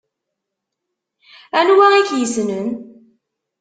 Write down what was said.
Anwa i k-yessnen?